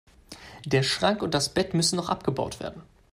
Der Schrank und das Bett müssen noch abgebaut werden.